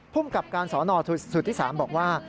ภูมิกับการสอนอสูตรที่๓บอกว่า